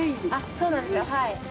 そうなんですよ。